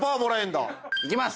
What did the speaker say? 行きます。